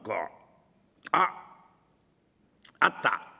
あっあった」。